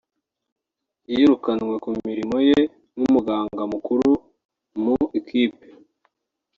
yirukanwe ku mirimo ye nk’umuganga mukuru mu ikipe